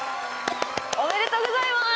おめでとうございます！